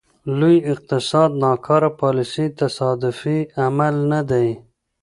لوی اقتصاد ناکاره پالیسۍ تصادفي عمل نه دی.